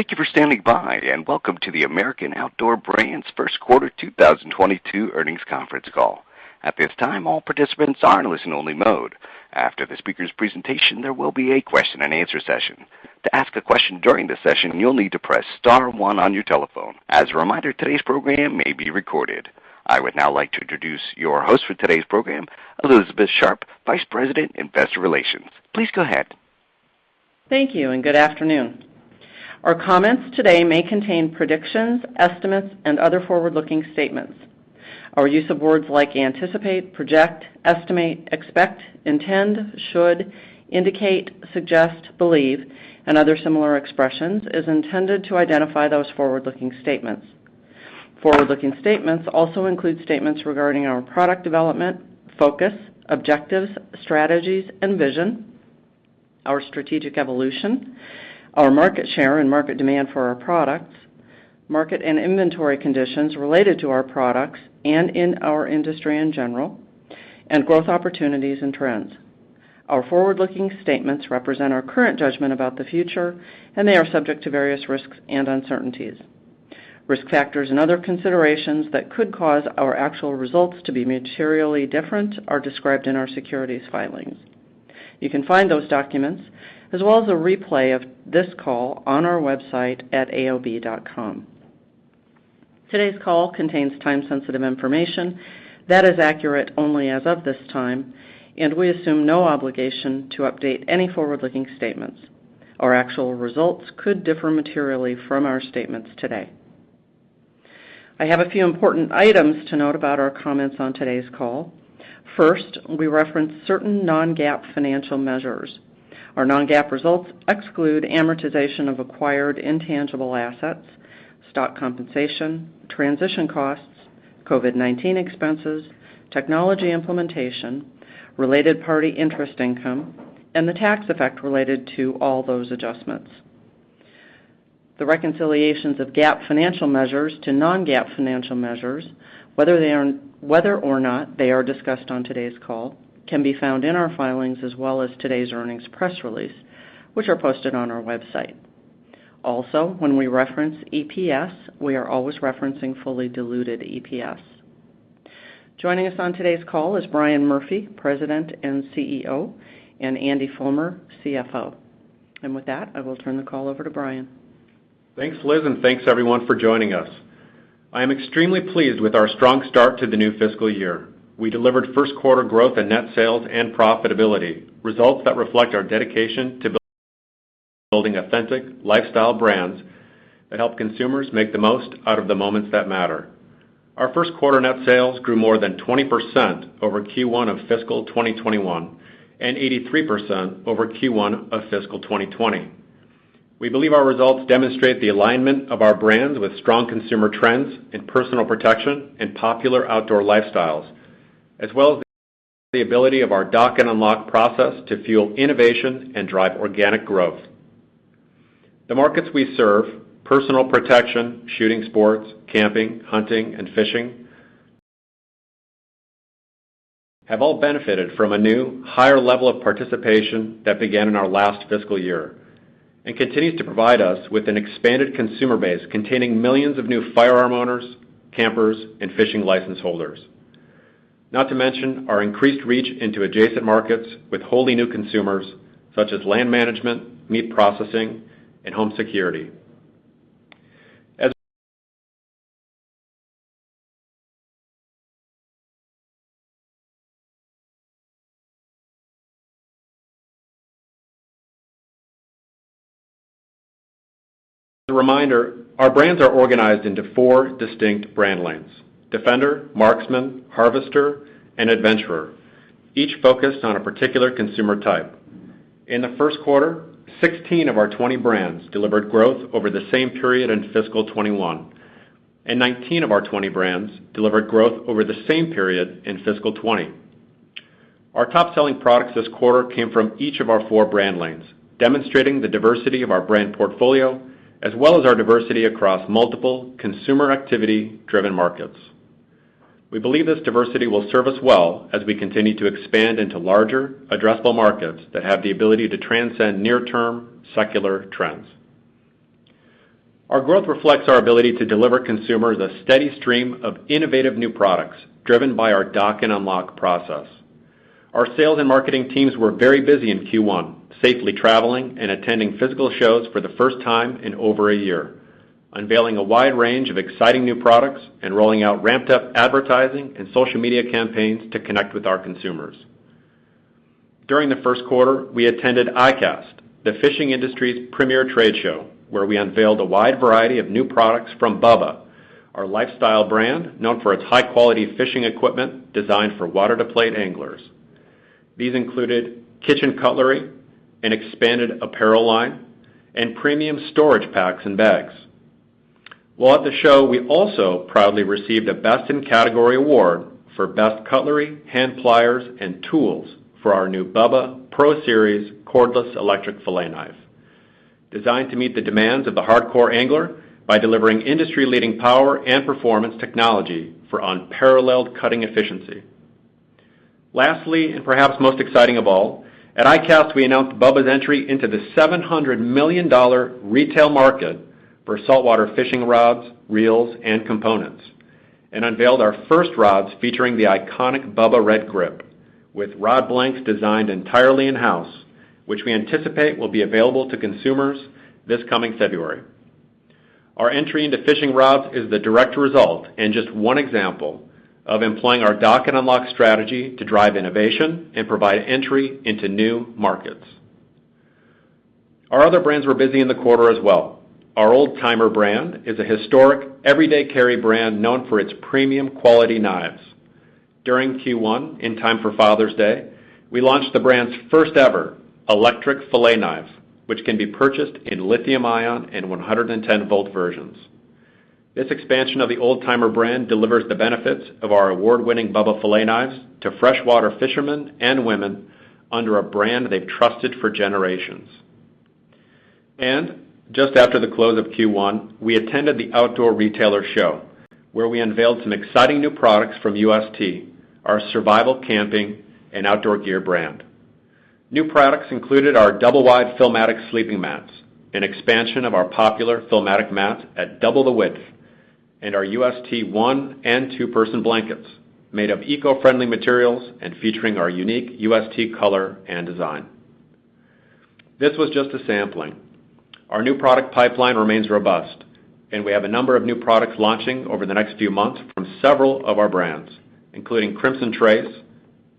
Thank you for standing by, and welcome to the American Outdoor Brands' first quarter 2022 earnings conference call. At this time, all participants are in listen only mode. After the speaker's presentation, there will be a question and answer session. To ask a question during the session, you'll need to press star one on your telephone. As a reminder, today's program may be recorded. I would now like to introduce your host for today's program, Elizabeth Sharp, Vice President, Investor Relations. Please go ahead. Thank you, and good afternoon. Our comments today may contain predictions, estimates, and other forward-looking statements. Our use of words like anticipate, project, estimate, expect, intend, should, indicate, suggest, believe, and other similar expressions is intended to identify those forward-looking statements. Forward-looking statements also include statements regarding our product development, focus, objectives, strategies, and vision, our strategic evolution, our market share and market demand for our products, market and inventory conditions related to our products and in our industry in general, and growth opportunities and trends. Our forward-looking statements represent our current judgment about the future, and they are subject to various risks and uncertainties. Risk factors and other considerations that could cause our actual results to be materially different are described in our securities filings. You can find those documents as well as a replay of this call on our website at aob.com. Today's call contains time-sensitive information that is accurate only as of this time, and we assume no obligation to update any forward-looking statements. Our actual results could differ materially from our statements today. I have a few important items to note about our comments on today's call. First, we reference certain non-GAAP financial measures. Our non-GAAP results exclude amortization of acquired intangible assets, stock compensation, transition costs, COVID-19 expenses, technology implementation, related party interest income, and the tax effect related to all those adjustments. The reconciliations of GAAP financial measures to non-GAAP financial measures, whether or not they are discussed on today's call, can be found in our filings as well as today's earnings press release, which are posted on our website. Also, when we reference EPS, we are always referencing fully diluted EPS. Joining us on today's call is Brian Murphy, President and CEO, and Andy Fulmer, CFO. With that, I will turn the call over to Brian. Thanks, Elizabeth Sharp, and thanks, everyone, for joining us. I am extremely pleased with our strong start to the new fiscal year. We delivered first quarter growth in net sales and profitability, results that reflect our dedication to building authentic lifestyle brands that help consumers make the most out of the moments that matter. Our first quarter net sales grew more than 20% over Q1 of fiscal 2021 and 83% over Q1 of fiscal 2020. We believe our results demonstrate the alignment of our brands with strong consumer trends in personal protection and popular outdoor lifestyles, as well as the ability of our Dock and Unlock process to fuel innovation and drive organic growth. The markets we serve, personal protection, shooting sports, camping, hunting, and fishing, have all benefited from a new, higher level of participation that began in our last fiscal year and continues to provide us with an expanded consumer base containing millions of new firearm owners, campers, and fishing license holders. Not to mention our increased reach into adjacent markets with wholly new consumers such as land management, meat processing, and home security. As a reminder, our brands are organized into four distinct brand lanes, Defender, Marksman, Harvester, and Adventurer, each focused on a particular consumer type. In the first quarter, 16 of our 20 brands delivered growth over the same period in fiscal 2021, and 19 of our 20 brands delivered growth over the same period in fiscal 2020. Our top-selling products this quarter came from each of our four brand lanes, demonstrating the diversity of our brand portfolio, as well as our diversity across multiple consumer activity driven markets. We believe this diversity will serve us well as we continue to expand into larger addressable markets that have the ability to transcend near-term secular trends. Our growth reflects our ability to deliver consumers a steady stream of innovative new products driven by our Dock and Unlock process. Our sales and marketing teams were very busy in Q1, safely traveling and attending physical shows for the first time in over a year, unveiling a wide range of exciting new products and rolling out ramped up advertising and social media campaigns to connect with our consumers. During the first quarter, we attended ICAST, the fishing industry's premier trade show, where we unveiled a wide variety of new products from Bubba, our lifestyle brand known for its high-quality fishing equipment designed for water-to-plate anglers. These included kitchen cutlery, an expanded apparel line, and premium storage packs and bags. While at the show, we also proudly received a Best in Category award for best cutlery, hand pliers, and tools for our new Bubba Pro Series Cordless Electric Fillet Knife. Designed to meet the demands of the hardcore angler by delivering industry-leading power and performance technology for unparalleled cutting efficiency. Lastly, and perhaps most exciting of all, at ICAST, we announced Bubba's entry into the $700 million retail market for saltwater fishing rods, reels, and components, and unveiled our first rods featuring the iconic Bubba Grip, with rod blanks designed entirely in-house, which we anticipate will be available to consumers this coming February. Our entry into fishing rods is the direct result, and just one example, of employing our Dock and Unlock strategy to drive innovation and provide entry into new markets. Our other brands were busy in the quarter as well. Our Old Timer brand is a historic, everyday carry brand known for its premium quality knives. During Q1, in time for Father's Day, we launched the brand's first ever electric fillet knives, which can be purchased in lithium ion and 110 V versions. This expansion of the Old Timer brand delivers the benefits of our award-winning Bubba fillet knives to freshwater fishermen and women under a brand they've trusted for generations. Just after the close of Q1, we attended the Outdoor Retailer show, where we unveiled some exciting new products from UST, our survival, camping, and outdoor gear brand. New products included our double-wide fillmatic sleeping mats, an expansion of our popular fillmatic mats at double the width, and our UST 1- and 2-person blankets, made of eco-friendly materials and featuring our unique UST color and design. This was just a sampling. Our new product pipeline remains robust, and we have a number of new products launching over the next few months from several of our brands, including Crimson Trace,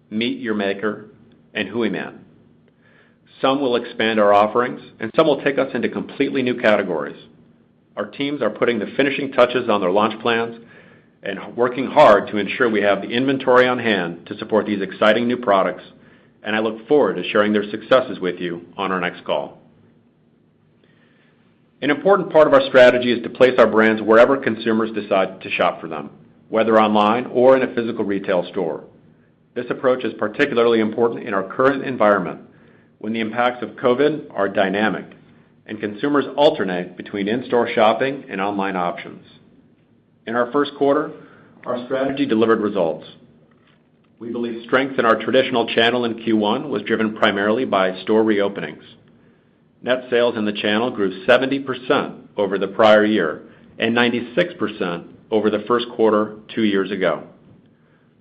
MEAT! Your Maker, and Hooyman. Some will expand our offerings, and some will take us into completely new categories. Our teams are putting the finishing touches on their launch plans and working hard to ensure we have the inventory on hand to support these exciting new products, and I look forward to sharing their successes with you on our next call. An important part of our strategy is to place our brands wherever consumers decide to shop for them, whether online or in a physical retail store. This approach is particularly important in our current environment, when the impacts of COVID are dynamic and consumers alternate between in-store shopping and online options. In our first quarter, our strategy delivered results. We believe strength in our traditional channel in Q1 was driven primarily by store reopenings. Net sales in the channel grew 70% over the prior year and 96% over the first quarter two years ago.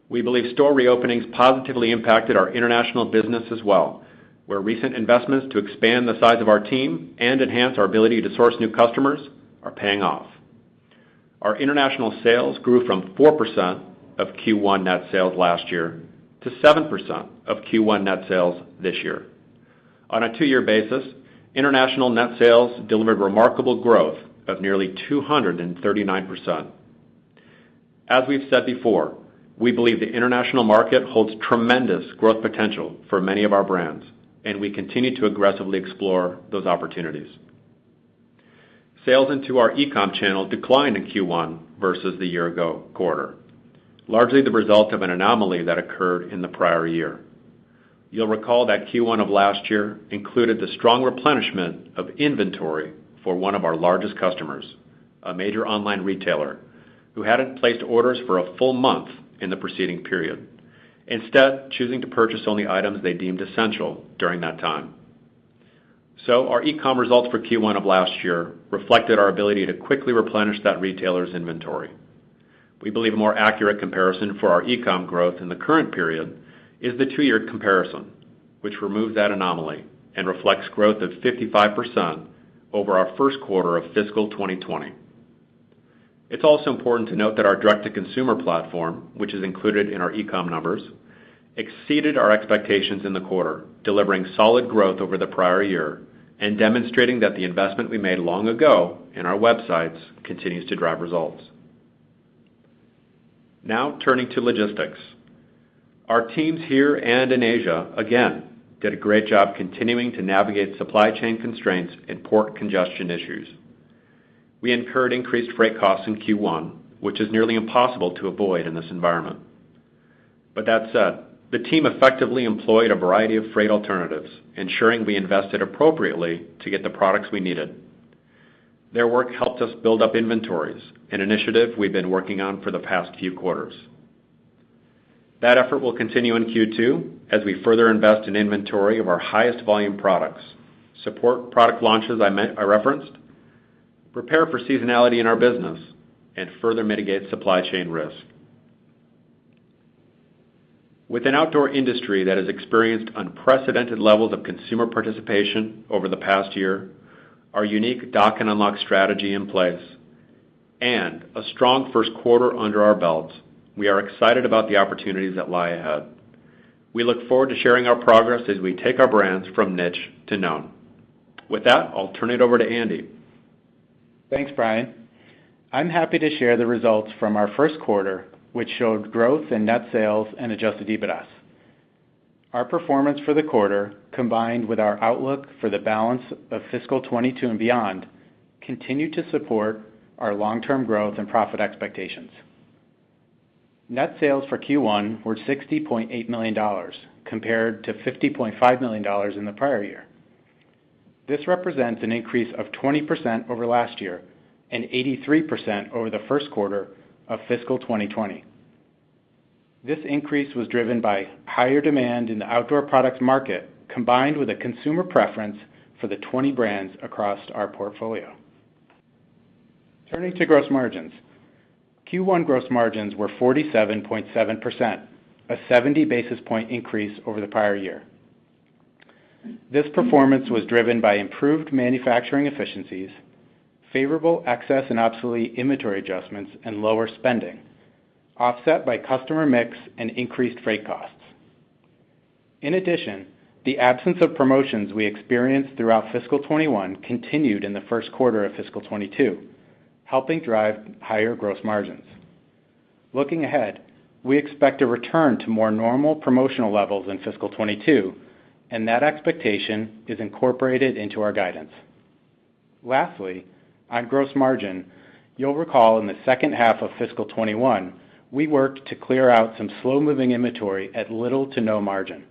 We believe store reopenings positively impacted our international business as well, where recent investments to expand the size of our team and enhance our ability to source new customers are paying off. Our international sales grew from 4% of Q1 net sales last year to 7% of Q1 net sales this year. On a two-year basis, international net sales delivered remarkable growth of nearly 239%. As we've said before, we believe the international market holds tremendous growth potential for many of our brands, and we continue to aggressively explore those opportunities. Sales into our e-com channel declined in Q1 versus the year-ago quarter, largely the result of an anomaly that occurred in the prior year. You'll recall that Q1 of last year included the strong replenishment of inventory for one of our largest customers, a major online retailer, who hadn't placed orders for a full month in the preceding period, instead choosing to purchase only items they deemed essential during that time. Our e-com results for Q1 of last year reflected our ability to quickly replenish that retailer's inventory. We believe a more accurate comparison for our e-com growth in the current period is the two-year comparison, which removes that anomaly and reflects growth of 55% over our first quarter of fiscal 2020. It's also important to note that our direct-to-consumer platform, which is included in our e-com numbers, exceeded our expectations in the quarter, delivering solid growth over the prior year and demonstrating that the investment we made long ago in our websites continues to drive results. Turning to logistics. Our teams here and in Asia, again, did a great job continuing to navigate supply chain constraints and port congestion issues. We incurred increased freight costs in Q1, which is nearly impossible to avoid in this environment. With that said, the team effectively employed a variety of freight alternatives, ensuring we invested appropriately to get the products we needed. Their work helped us build up inventories, an initiative we've been working on for the past few quarters. That effort will continue in Q2 as we further invest in inventory of our highest volume products, support product launches I referenced, prepare for seasonality in our business, and further mitigate supply chain risk. With an outdoor industry that has experienced unprecedented levels of consumer participation over the past year, our unique Dock and Unlock strategy in place, and a strong first quarter under our belts, we are excited about the opportunities that lie ahead. We look forward to sharing our progress as we take our brands from niche to known. With that, I'll turn it over to Andy. Thanks, Brian. I'm happy to share the results from our first quarter, which showed growth in net sales and adjusted EBITDA. Our performance for the quarter, combined with our outlook for the balance of fiscal 2022 and beyond, continue to support our long-term growth and profit expectations. Net sales for Q1 were $60.8 million, compared to $50.5 million in the prior year. This represents an increase of 20% over last year and 83% over the first quarter of fiscal 2020. This increase was driven by higher demand in the outdoor products market, combined with a consumer preference for the 20 brands across our portfolio. Turning to gross margins. Q1 gross margins were 47.7%, a 70 basis point increase over the prior year. This performance was driven by improved manufacturing efficiencies, favorable excess and obsolete inventory adjustments, and lower spending, offset by customer mix and increased freight costs. The absence of promotions we experienced throughout fiscal 2021 continued in the first quarter of fiscal 2022, helping drive higher gross margins. We expect a return to more normal promotional levels in fiscal 2022. That expectation is incorporated into our guidance. On gross margin, you'll recall in the second half of fiscal 2021, we worked to clear out some slow-moving inventory at little to no margin.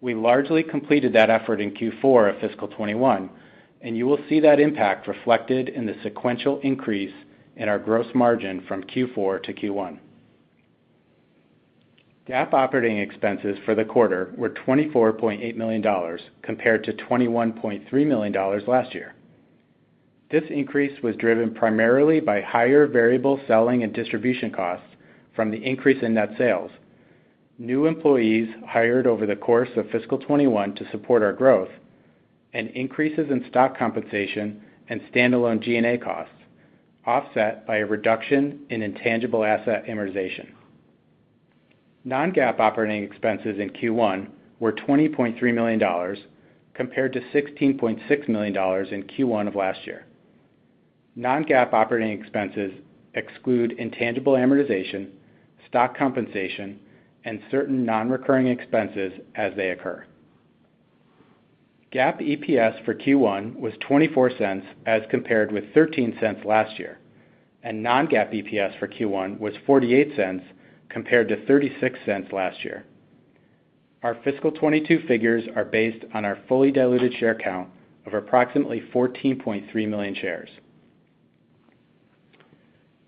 We largely completed that effort in Q4 of fiscal 2021. You will see that impact reflected in the sequential increase in our gross margin from Q4 to Q1. GAAP operating expenses for the quarter were $24.8 million, compared to $21.3 million last year. This increase was driven primarily by higher variable selling and distribution costs from the increase in net sales. New employees hired over the course of fiscal 2021 to support our growth and increases in stock compensation and standalone G&A costs, offset by a reduction in intangible asset amortization. Non-GAAP operating expenses in Q1 were $20.3 million, compared to $16.6 million in Q1 of last year. Non-GAAP operating expenses exclude intangible amortization, stock compensation, and certain non-recurring expenses as they occur. GAAP EPS for Q1 was $0.24 as compared with $0.13 last year, and non-GAAP EPS for Q1 was $0.48 compared to $0.36 last year. Our fiscal 2022 figures are based on our fully diluted share count of approximately 14.3 million shares.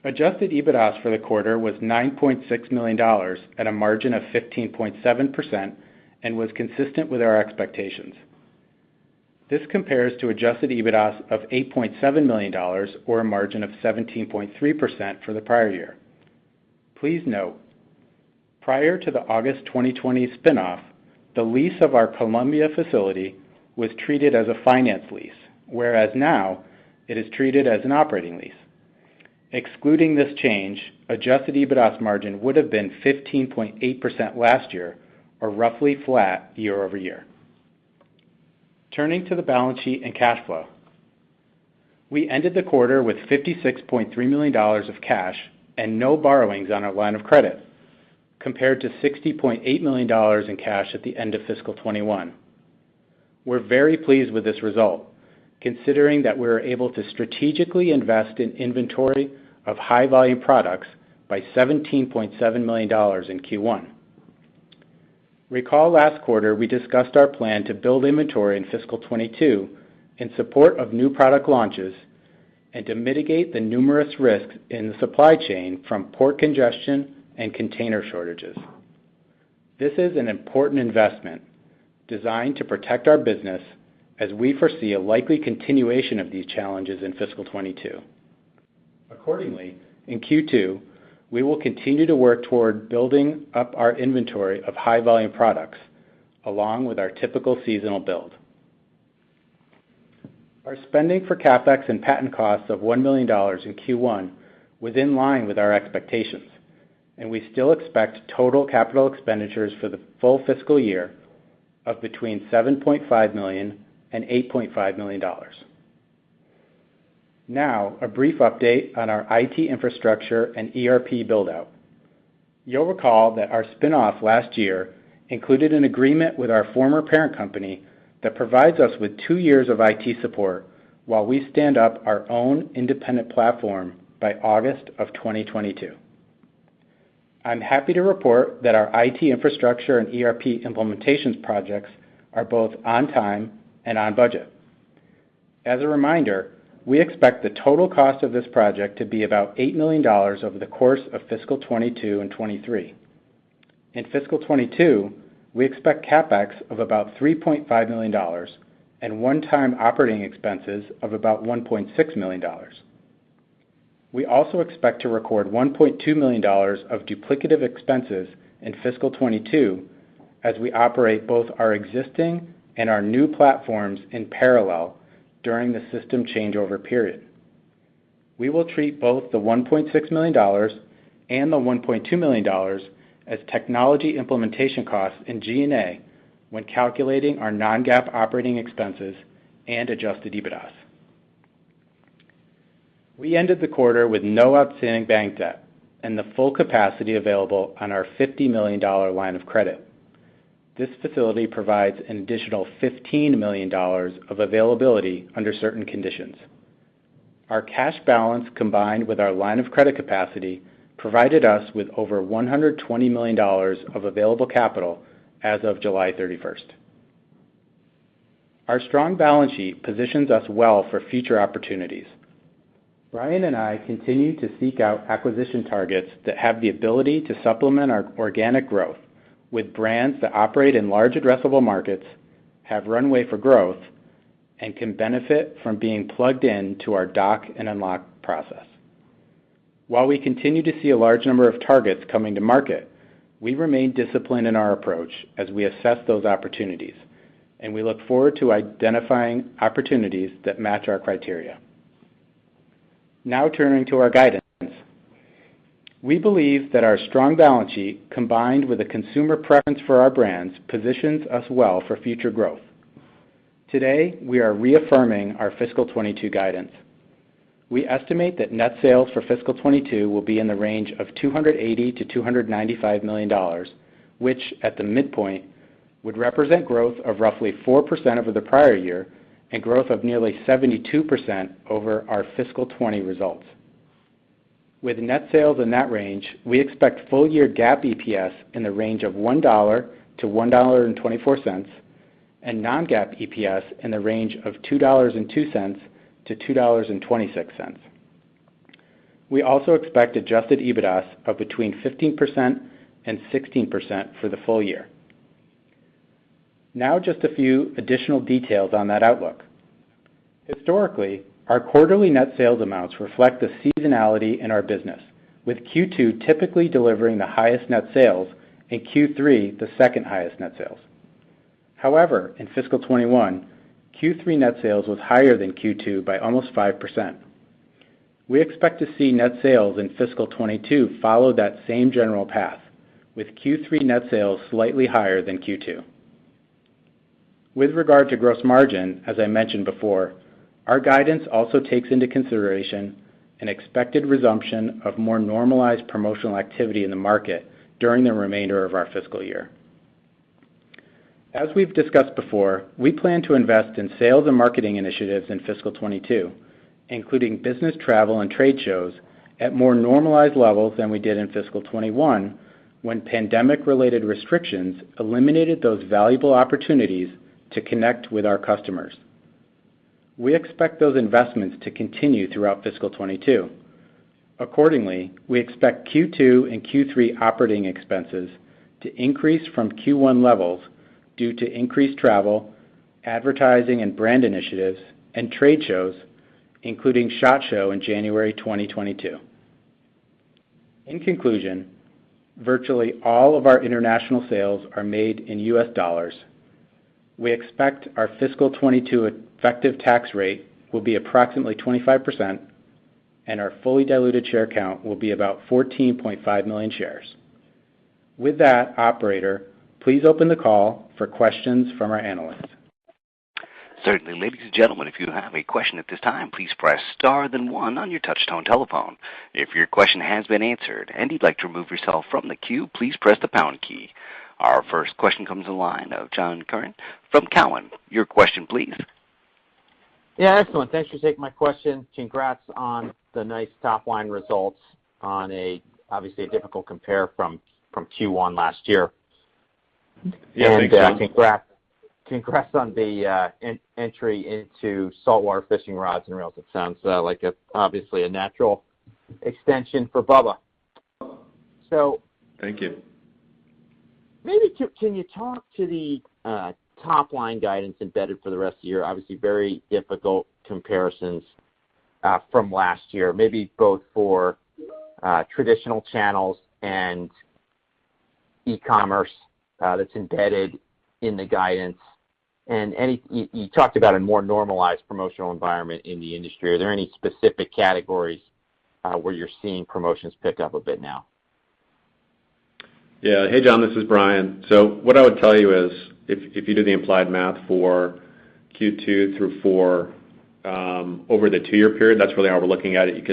Adjusted EBITDA for the quarter was $9.6 million at a margin of 15.7% and was consistent with our expectations. This compares to adjusted EBITDA of $8.7 million or a margin of 17.3% for the prior year. Please note, prior to the August 2020 spinoff, the lease of our Columbia facility was treated as a finance lease, whereas now it is treated as an operating lease. Excluding this change, adjusted EBITDA margin would have been 15.8% last year or roughly flat year-over-year. Turning to the balance sheet and cash flow. We ended the quarter with $56.3 million of cash and no borrowings on our line of credit, compared to $60.8 million in cash at the end of fiscal 2021. We're very pleased with this result, considering that we were able to strategically invest in inventory of high-volume products by $17.7 million in Q1. Recall last quarter we discussed our plan to build inventory in fiscal 2022 in support of new product launches and to mitigate the numerous risks in the supply chain from port congestion and container shortages. This is an important investment designed to protect our business as we foresee a likely continuation of these challenges in fiscal 2022. Accordingly, in Q2, we will continue to work toward building up our inventory of high-volume products along with our typical seasonal build. Our spending for CapEx and patent costs of $1 million in Q1 was in line with our expectations, and we still expect total capital expenditures for the full fiscal year of between $7.5 million and $8.5 million. Now, a brief update on our IT infrastructure and ERP build-out. You'll recall that our spinoff last year included an agreement with our former parent company that provides us with two years of IT support while we stand up our own independent platform by August of 2022. I'm happy to report that our IT infrastructure and ERP implementations projects are both on time and on budget. As a reminder, we expect the total cost of this project to be about $8 million over the course of fiscal 2022 and 2023. In fiscal 2022, we expect CapEx of about $3.5 million and one-time operating expenses of about $1.6 million. We also expect to record $1.2 million of duplicative expenses in fiscal 2022 as we operate both our existing and our new platforms in parallel during the system changeover period. We will treat both the $1.6 million and the $1.2 million as technology implementation costs in G&A when calculating our non-GAAP operating expenses and adjusted EBITDA. We ended the quarter with no outstanding bank debt and the full capacity available on our $50 million line of credit. This facility provides an additional $15 million of availability under certain conditions. Our cash balance combined with our line of credit capacity provided us with over $120 million of available capital as of July 31st. Our strong balance sheet positions us well for future opportunities. Brian and I continue to seek out acquisition targets that have the ability to supplement our organic growth with brands that operate in large addressable markets, have runway for growth, and can benefit from being plugged into our Dock and Unlock process. While we continue to see a large number of targets coming to market, we remain disciplined in our approach as we assess those opportunities, and we look forward to identifying opportunities that match our criteria. Turning to our guidance. We believe that our strong balance sheet, combined with the consumer preference for our brands, positions us well for future growth. Today, we are reaffirming our fiscal 2022 guidance. We estimate that net sales for fiscal 2022 will be in the range of $280 million-$295 million, which at the midpoint would represent growth of roughly 4% over the prior year and growth of nearly 72% over our fiscal 2020 results. With net sales in that range, we expect full year GAAP EPS in the range of $1-$1.24, and non-GAAP EPS in the range of $2.02-$2.26. We also expect adjusted EBITDA of between 15% and 16% for the full year. Just a few additional details on that outlook. Historically, our quarterly net sales amounts reflect the seasonality in our business, with Q2 typically delivering the highest net sales and Q3 the second highest net sales. However, in fiscal 2021, Q3 net sales was higher than Q2 by almost 5%. We expect to see net sales in fiscal 2022 follow that same general path, with Q3 net sales slightly higher than Q2. With regard to gross margin, as I mentioned before, our guidance also takes into consideration an expected resumption of more normalized promotional activity in the market during the remainder of our fiscal year. As we've discussed before, we plan to invest in sales and marketing initiatives in fiscal 2022, including business travel and trade shows at more normalized levels than we did in fiscal 2021, when pandemic-related restrictions eliminated those valuable opportunities to connect with our customers. We expect those investments to continue throughout fiscal 2022. Accordingly, we expect Q2 and Q3 operating expenses to increase from Q1 levels due to increased travel, advertising, and brand initiatives, and trade shows, including SHOT Show in January 2022. In conclusion, virtually all of our international sales are made in US dollars. We expect our fiscal 2022 effective tax rate will be approximately 25%, and our fully diluted share count will be about 14.5 million shares. With that, operator, please open the call for questions from our analysts. Certainly. Ladies and gentlemen if you have a question at this time please press star then one on your touch tone telephone. If your question has been answered and you would like to remove yourself from the queue please press the pound key. Our first question comes to the line of John Kernan from Cowen. Your question, please. Excellent. Thanks for taking my question. Congrats on the nice top-line results on obviously a difficult compare from Q1 last year. Yeah. Thanks, John. Congrats on the entry into saltwater fishing rods and reels. It sounds like obviously a natural extension for Bubba. Thank you. Maybe can you talk to the top-line guidance embedded for the rest of the year? Obviously, very difficult comparisons from last year, maybe both for traditional channels and e-commerce that's embedded in the guidance. You talked about a more normalized promotional environment in the industry. Are there any specific categories where you're seeing promotions pick up a bit now? Yeah. Hey, John, this is Brian. What I would tell you is if you do the implied math for Q2 through Q4 over the two-year period, that's really how we're looking at it.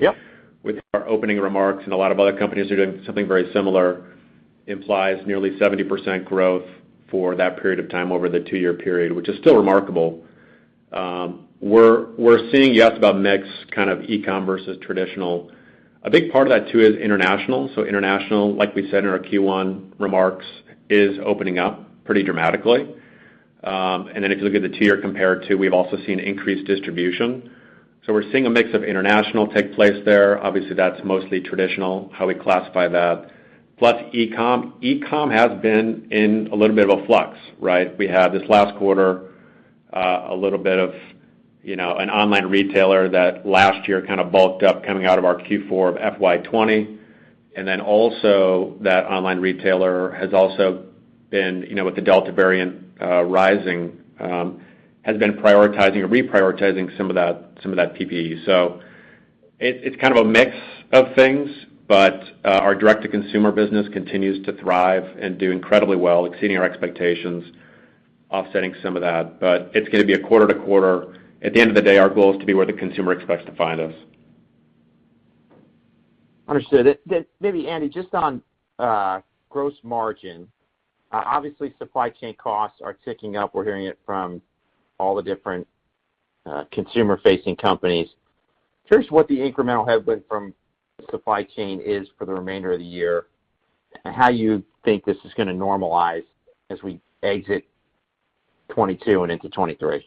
Yep With our opening remarks and a lot of other companies are doing something very similar, implies nearly 70% growth for that period of time over the two-year period, which is still remarkable. We're seeing, you asked about mix, kind of e-commerce versus traditional. A big part of that too is international. International, like we said in our Q1 remarks, is opening up pretty dramatically. If you look at the two year compared to, we've also seen increased distribution. We're seeing a mix of international take place there. Obviously, that's mostly traditional, how we classify that. Plus e-com. E-com has been in a little bit of a flux, right? We had this last quarter a little bit of an online retailer that last year kind of bulked up coming out of our Q4 of FY 2020, and then also that online retailer has also been, with the Delta variant rising, has been prioritizing or reprioritizing some of that PPE. It's kind of a mix of things, but our direct-to-consumer business continues to thrive and do incredibly well, exceeding our expectations, offsetting some of that. It's going to be a quarter-to-quarter. At the end of the day, our goal is to be where the consumer expects to find us. Understood. Maybe Andy, just on gross margin, obviously supply chain costs are ticking up. We're hearing it from all the different consumer-facing companies. Curious what the incremental headwind from supply chain is for the remainder of the year, and how you think this is going to normalize as we exit 2022 and into 2023.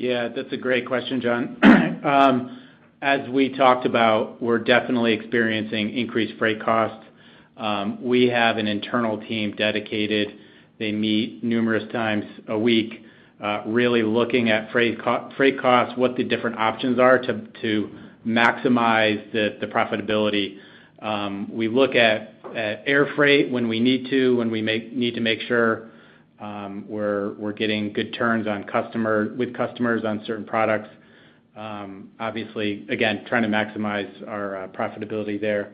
Yeah. That's a great question, John. As we talked about, we're definitely experiencing increased freight costs. We have an internal team dedicated. They meet numerous times a week, really looking at freight costs, what the different options are to maximize the profitability. We look at air freight when we need to, when we need to make sure we're getting good turns with customers on certain products. Obviously, again, trying to maximize our profitability there.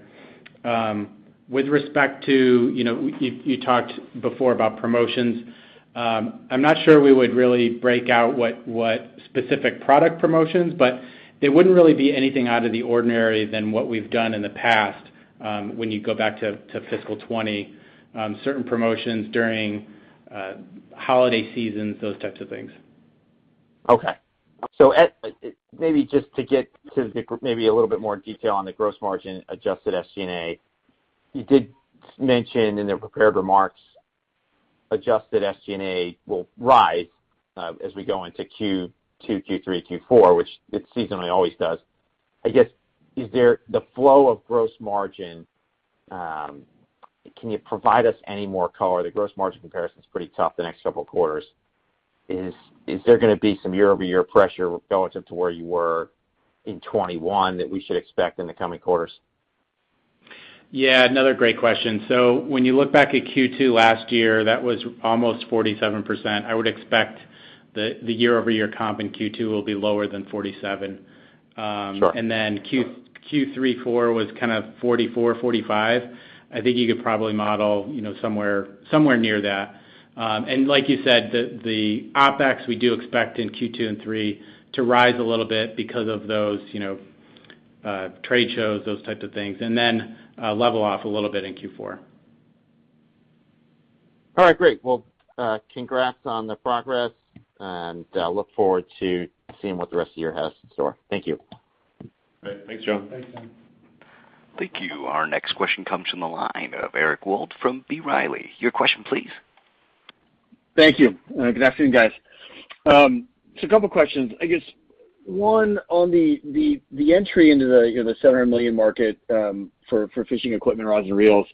With respect to, you talked before about promotions. I'm not sure we would really break out what specific product promotions, but it wouldn't really be anything out of the ordinary than what we've done in the past, when you go back to fiscal 2020, certain promotions during holiday seasons, those types of things. Okay. maybe just to get to maybe a little bit more detail on the gross margin adjusted SG&A. You did mention in the prepared remarks, adjusted SG&A will rise as we go into Q2, Q3, Q4, which it seasonally always does. I guess, is there the flow of gross margin? Can you provide us any more color? The gross margin comparison's pretty tough the next several quarters. Is there going to be some year-over-year pressure relative to where you were in 2021 that we should expect in the coming quarters? Yeah, another great question. When you look back at Q2 last year, that was almost 47%. I would expect the year-over-year comp in Q2 will be lower than 47%. Sure. Q3, Q4 was kind of 44%, 45%. I think you could probably model somewhere near that. Like you said, the OpEx, we do expect in Q2 and Q3 to rise a little bit because of those trade shows, those types of things. Level off a little bit in Q4. All right, great. Congrats on the progress. Look forward to seeing what the rest of the year has in store. Thank you. Great. Thanks, John. Thanks, John. Thank you. Our next question comes from the line of Eric Wold from B. Riley. Your question, please. Thank you. Good afternoon, guys. A couple questions. I guess one on the entry into the $700 million market, for fishing equipment, rods, and reels.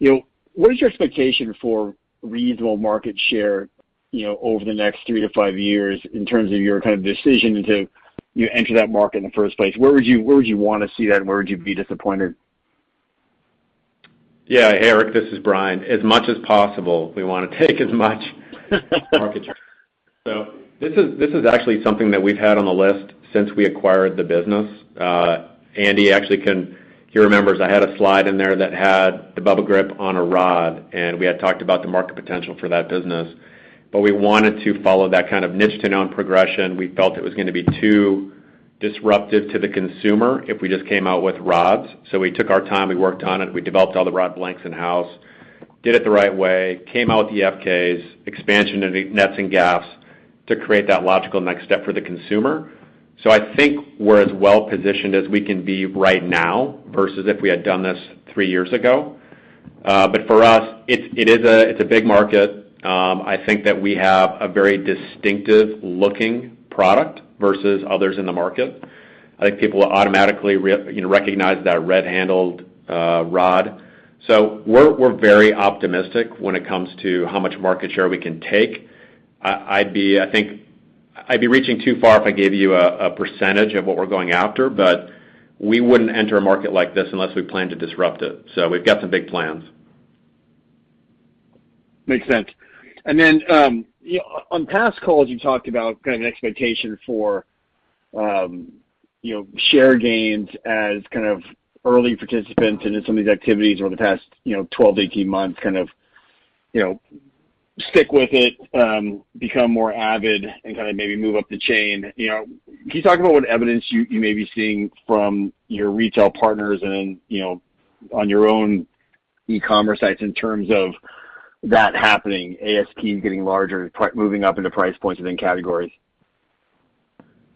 What is your expectation for reasonable market share over the next three to five years in terms of your kind of decision to enter that market in the first place? Where would you want to see that, and where would you be disappointed? Hey, Eric, this is Brian. As much as possible, we want to take as much market share. This is actually something that we've had on the list since we acquired the business. Andy actually, he remembers I had a slide in there that had the Bubba Grip on a rod, and we had talked about the market potential for that business. We wanted to follow that kind of niche-to-known progression. We felt it was going to be too disruptive to the consumer if we just came out with rods. We took our time, we worked on it, we developed all the rod blanks in-house, did it the right way, came out with the FKs, expansion into Nets and Gaffs to create that logical next step for the consumer. I think we're as well positioned as we can be right now versus if we had done this three years ago. For us, it's a big market. I think that we have a very distinctive-looking product versus others in the market. I think people will automatically recognize that red-handled rod. We're very optimistic when it comes to how much market share we can take. I think I'd be reaching too far if I gave you a percentage of what we're going after, but we wouldn't enter a market like this unless we plan to disrupt it. We've got some big plans. Makes sense. On past calls, you talked about kind of an expectation for share gains as kind of early participants into some of these activities over the past 12, 18 months, kind of stick with it, become more avid and kind of maybe move up the chain. Can you talk about what evidence you may be seeing from your retail partners and on your own e-commerce sites in terms of that happening, ASPs getting larger, moving up into price points within categories?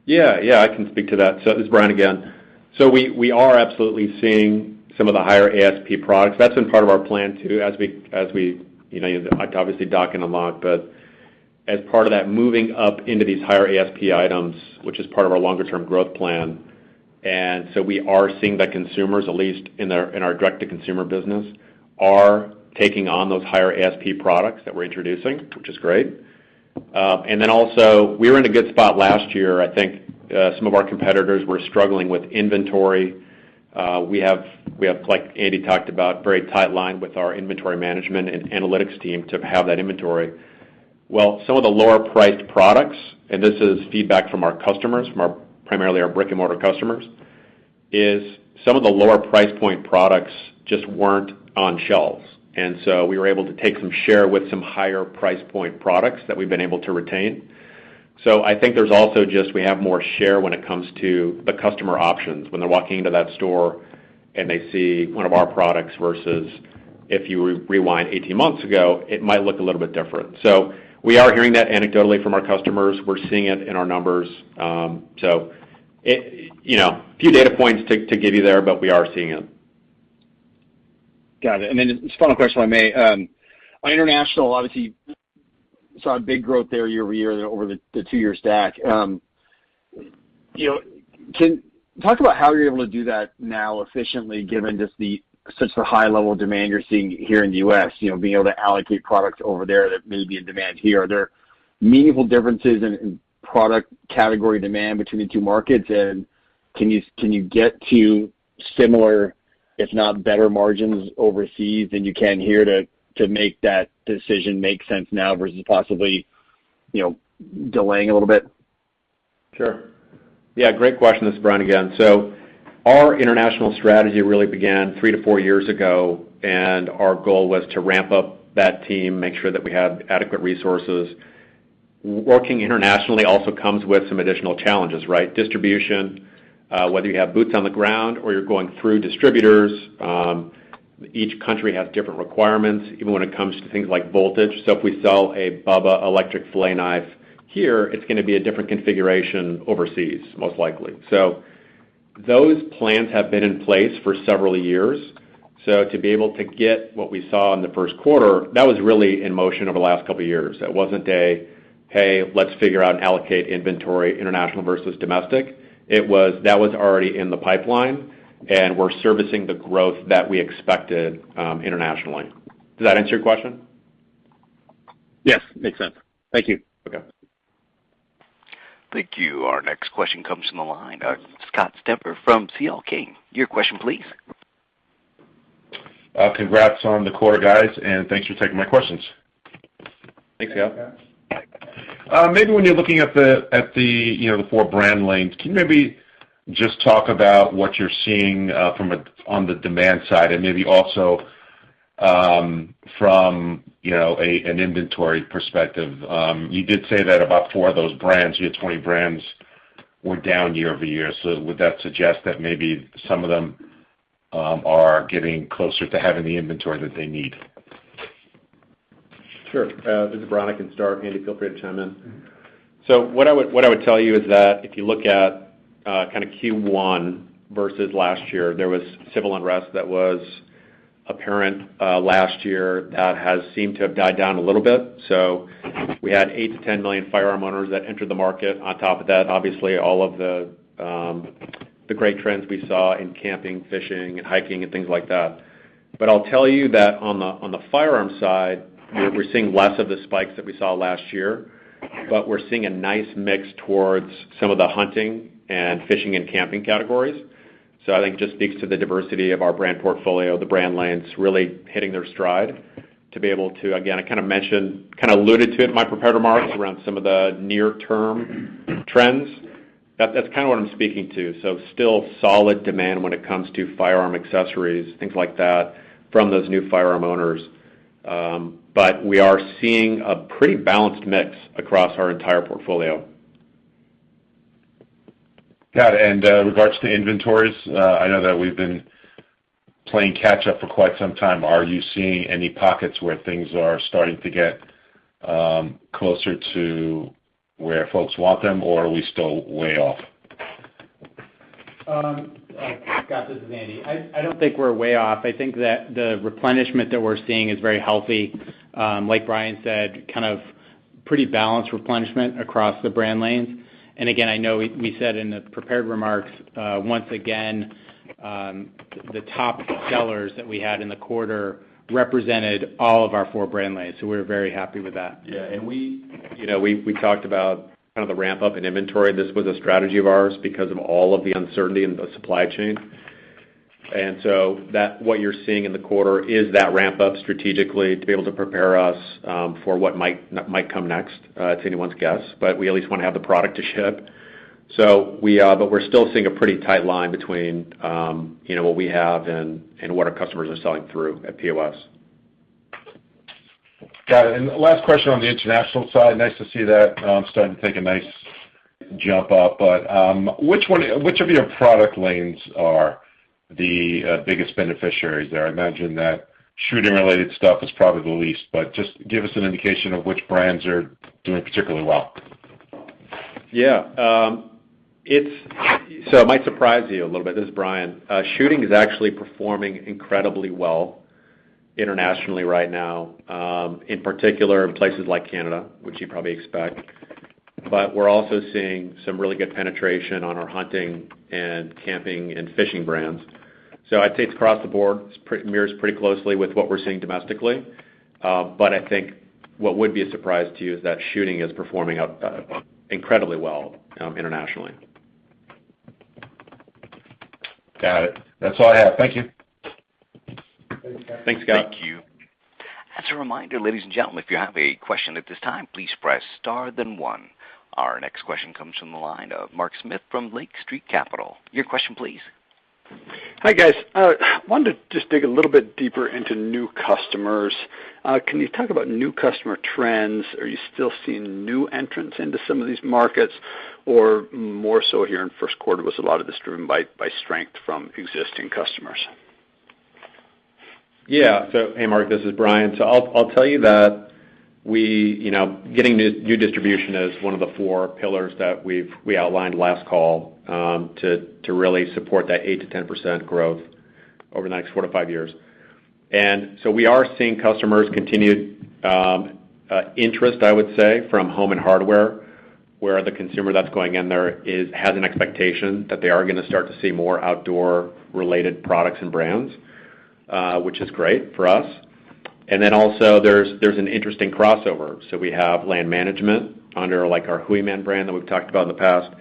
Yeah. I can speak to that. This is Brian again. We are absolutely seeing some of the higher ASP products. That's been part of our plan too, I obviously Dock and Unlock, but as part of that, moving up into these higher ASP items, which is part of our longer-term growth plan. We are seeing that consumers, at least in our direct-to-consumer business, are taking on those higher ASP products that we're introducing, which is great. We were in a good spot last year. I think some of our competitors were struggling with inventory. We have, like Andy talked about, very tight line with our inventory management and analytics team to have that inventory. Some of the lower priced products, and this is feedback from our customers, from primarily our brick and mortar customers, is some of the lower price point products just weren't on shelves. We were able to take some share with some higher price point products that we've been able to retain. I think there's also just, we have more share when it comes to the customer options. When they're walking into that store and they see one of our products versus if you rewind 18 months ago, it might look a little bit different. We are hearing that anecdotally from our customers. We're seeing it in our numbers. A few data points to give you there, but we are seeing it. Got it. Just one final question, if I may. On international, obviously you saw a big growth there year-over-year over the two-year stack. Talk about how you're able to do that now efficiently, given just the such the high level of demand you're seeing here in the U.S., being able to allocate product over there that may be in demand here. Are there meaningful differences in product category demand between the two markets, and can you get to similar, if not better margins overseas than you can here to make that decision make sense now versus possibly delaying a little bit? Sure. Yeah, great question. This is Brian again. Our international strategy really began three to four years ago, and our goal was to ramp up that team, make sure that we had adequate resources. Working internationally also comes with some additional challenges, right? Distribution, whether you have boots on the ground or you're going through distributors, each country has different requirements, even when it comes to things like voltage. If we sell a Bubba electric fillet knife here, it's going to be a different configuration overseas, most likely. Those plans have been in place for several years. To be able to get what we saw in the first quarter, that was really in motion over the last couple of years. That wasn't a, "Hey, let's figure out and allocate inventory international versus domestic." That was already in the pipeline, and we're servicing the growth that we expected internationally. Does that answer your question? Yes. Makes sense. Thank you. Okay. Thank you. Our next question comes from the line of Scott Stember from CL King. Your question, please. Congrats on the quarter, guys, and thanks for taking my questions. Thanks, Scott. Maybe when you're looking at the four brand lanes, can you maybe just talk about what you're seeing on the demand side and maybe also from an inventory perspective? You did say that about four of those brands, you had 20 brands were down year-over-year. Would that suggest that maybe some of them are getting closer to having the inventory that they need? Sure. This is Brian, again. Scott, Andy, feel free to chime in. What I would tell you is that if you look at Q1 versus last year, there was civil unrest that was apparent last year that has seemed to have died down a little bit. We had 8-10 million firearm owners that entered the market. On top of that, obviously, all of the great trends we saw in camping, fishing, and hiking, and things like that. I'll tell you that on the firearm side, we're seeing less of the spikes that we saw last year, but we're seeing a nice mix towards some of the hunting and fishing and camping categories. I think it just speaks to the diversity of our brand portfolio, the brand lanes really hitting their stride to be able to, again, I kind of mentioned, kind of alluded to it in my prepared remarks around some of the near term trends. That's kind of what I'm speaking to. Still solid demand when it comes to firearm accessories, things like that from those new firearm owners. We are seeing a pretty balanced mix across our entire portfolio. Got it. Regards to inventories, I know that we've been playing catch up for quite some time. Are you seeing any pockets where things are starting to get closer to where folks want them, or are we still way off? Scott, this is Andy. I don't think we're way off. I think that the replenishment that we're seeing is very healthy. Like Brian said, kind of pretty balanced replenishment across the brand lanes. Again, I know we said in the prepared remarks, once again, the top sellers that we had in the quarter represented all of our four brand lanes, so we're very happy with that. Yeah, we talked about kind of the ramp up in inventory. This was a strategy of ours because of all of the uncertainty in the supply chain. What you're seeing in the quarter is that ramp up strategically to be able to prepare us for what might come next. It's anyone's guess, but we at least want to have the product to ship. We're still seeing a pretty tight line between what we have and what our customers are selling through at POS. Got it. Last question on the international side. Nice to see that starting to take a nice jump up, which of your product lanes are the biggest beneficiaries there? I imagine that shooting related stuff is probably the least, just give us an indication of which brands are doing particularly well. It might surprise you a little bit. This is Brian. Shooting is actually performing incredibly well internationally right now, in particular in places like Canada, which you'd probably expect. We're also seeing some really good penetration on our hunting and camping and fishing brands. I'd say it's across the board. It mirrors pretty closely with what we're seeing domestically. I think what would be a surprise to you is that shooting is performing incredibly well internationally. Got it. That's all I have. Thank you. Thanks, Scott. Thank you. As a reminder, ladies and gentlemen, if you have a question at this time, please press star then one. Our next question comes from the line of Mark Smith from Lake Street Capital. Your question, please. Hi, guys. I wanted to just dig a little bit deeper into new customers. Can you talk about new customer trends? Are you still seeing new entrants into some of these markets? More so here in the first quarter was a lot of this driven by strength from existing customers? Yeah. Hey, Mark, this is Brian. I'll tell you that getting new distribution is one of the four pillars that we outlined last call to really support that 8%-10% growth over the next four to five years. We are seeing customers' continued interest, I would say, from home and hardware, where the consumer that's going in there has an expectation that they are going to start to see more outdoor-related products and brands, which is great for us. There's an interesting crossover. We have land management under our Hooyman brand that we've talked about in the past.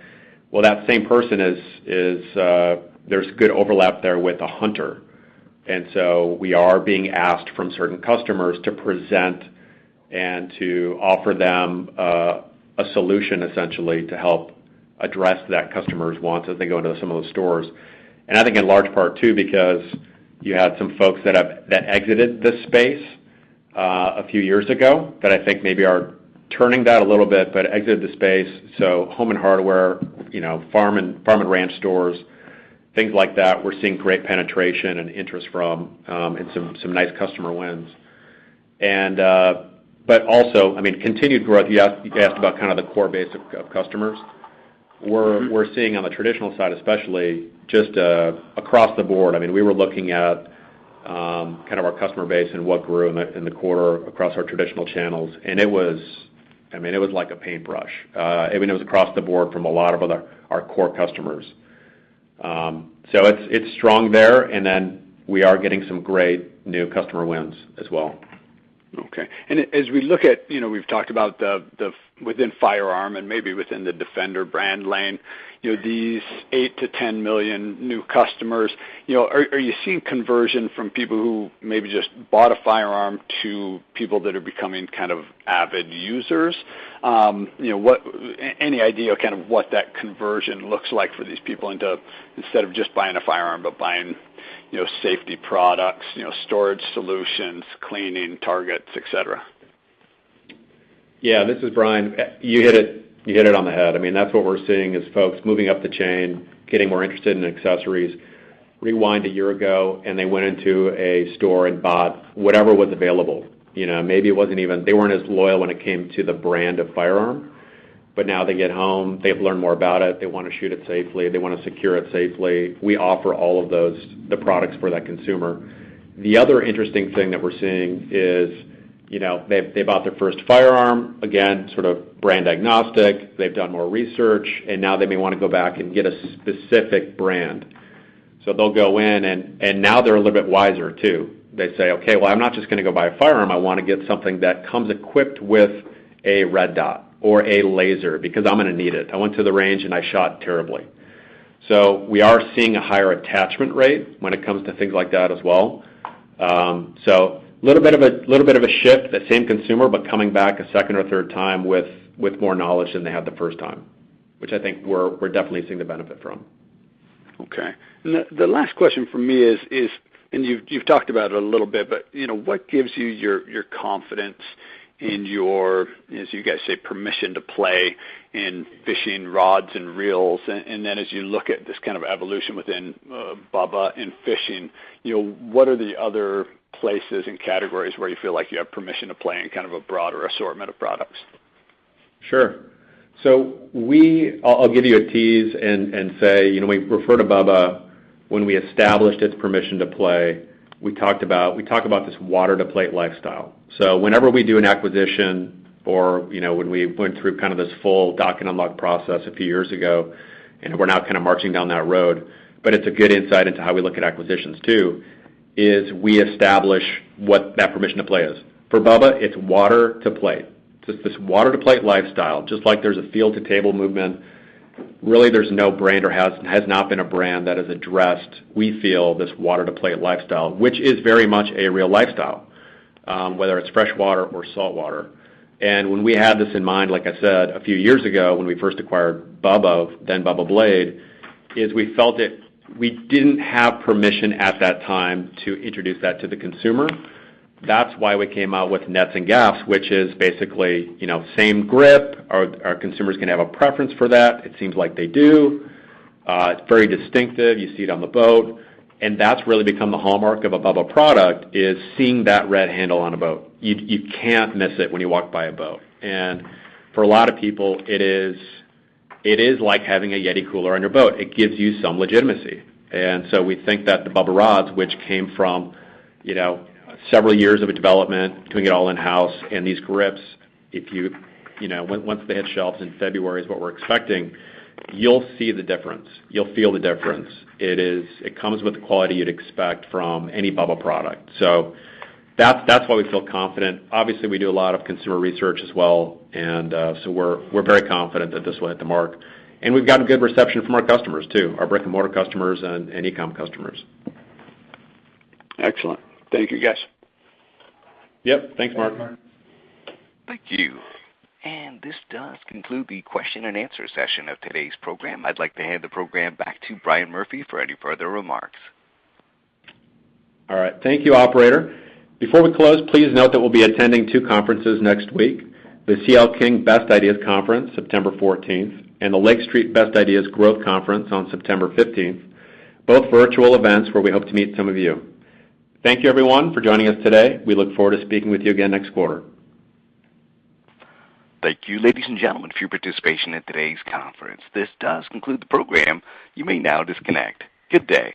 Well, that same person, there's good overlap there with a hunter. We are being asked from certain customers to present and to offer them a solution, essentially, to help address that customer's wants as they go into some of those stores. I think in large part too, because you had some folks that exited the space a few years ago, that I think maybe are turning that a little bit, but exited the space. Home and hardware, farm and ranch stores, things like that, we're seeing great penetration and interest from, and some nice customer wins. Also, continued growth. You asked about kind of the core base of customers. We're seeing on the traditional side especially, just across the board, we were looking at kind of our customer base and what grew in the quarter across our traditional channels. It was like a paintbrush. It was across the board from a lot of our core customers. It's strong there. We are getting some great new customer wins as well. Okay. As we look at, we've talked about within firearm and maybe within the Defender brand lane, these 8 million-10 million new customers. Are you seeing conversion from people who maybe just bought a firearm to people that are becoming kind of avid users? Any idea kind of what that conversion looks like for these people into, instead of just buying a firearm, but buying safety products, storage solutions, cleaning, targets, et cetera? Yeah. This is Brian. You hit it on the head. That's what we're seeing is folks moving up the chain, getting more interested in accessories. Rewind to a year ago, they went into a store and bought whatever was available. Maybe they weren't as loyal when it came to the brand of firearm. Now they get home, they've learned more about it. They want to shoot it safely. They want to secure it safely. We offer all of the products for that consumer. The other interesting thing that we're seeing is they bought their first firearm, again, sort of brand agnostic. They've done more research, now they may want to go back and get a specific brand. They'll go in, now they're a little bit wiser, too. They say, "Okay, well, I'm not just going to go buy a firearm. I want to get something that comes equipped with a red dot or a laser because I'm going to need it. I went to the range, and I shot terribly. We are seeing a higher attachment rate when it comes to things like that as well. A little bit of a shift. The same consumer, but coming back a second or third time with more knowledge than they had the first time, which I think we're definitely seeing the benefit from. Okay. The last question from me is, and you've talked about it a little bit, but what gives you your confidence and your, as you guys say, permission to play in fishing rods and reels? As you look at this kind of evolution within Bubba in fishing, what are the other places and categories where you feel like you have permission to play in kind of a broader assortment of products? I'll give you a tease and say, we refer to Bubba, when we established its permission to play, we talk about this water-to-plate lifestyle. Whenever we do an acquisition or when we went through kind of this full Dock and Unlock process a few years ago, and we're now kind of marching down that road, but it's a good insight into how we look at acquisitions, too, is we establish what that permission to play is. For Bubba, it's water to plate. Just this water-to-plate lifestyle. Just like there's a field-to-table movement, really there's no brand or has not been a brand that has addressed, we feel, this water-to-plate lifestyle, which is very much a real lifestyle, whether it's freshwater or saltwater. When we had this in mind, like I said, a few years ago, when we first acquired Bubba, then Bubba Blade, is we felt that we didn't have permission at that time to introduce that to the consumer. That's why we came out with Nets and Gaffs, which is basically same grip. Our consumers can have a preference for that. It seems like they do. It's very distinctive. You see it on the boat, and that's really become a hallmark of a Bubba product is seeing that red handle on a boat. You can't miss it when you walk by a boat. For a lot of people, it is like having a YETI cooler on your boat. It gives you some legitimacy. We think that the Bubba Rods, which came from several years of development, doing it all in-house, and these grips, once they hit shelves in February is what we're expecting, you'll see the difference. You'll feel the difference. It comes with the quality you'd expect from any Bubba product. That's why we feel confident. Obviously, we do a lot of consumer research as well. We're very confident that this will hit the mark. We've gotten good reception from our customers, too, our brick and mortar customers and e-com customers. Excellent. Thank you, guys. Yep. Thanks, Mark. Thank you. This does conclude the question and answer session of today's program. I'd like to hand the program back to Brian Murphy for any further remarks. Thank you, operator. Before we close, please note that we'll be attending two conferences next week, the CL King Best Ideas Conference September 14th and the Lake Street Best Ideas Growth Conference on September 15th, both virtual events where we hope to meet some of you. Thank you, everyone, for joining us today. We look forward to speaking with you again next quarter. Thank you, ladies and gentlemen, for your participation in today's conference. This does conclude the program. You may now disconnect. Good day.